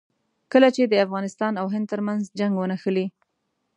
کله چې د افغانستان او هند ترمنځ جنګ ونښلي.